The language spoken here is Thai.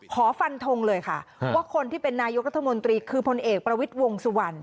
ฟันทงเลยค่ะว่าคนที่เป็นนายกรัฐมนตรีคือพลเอกประวิทย์วงสุวรรณ